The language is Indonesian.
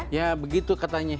ya begitu katanya